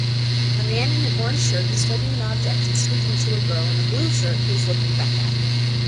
A man in an orange shirt is holding an object and speaking to a girl in a blue shirt who is looking back at him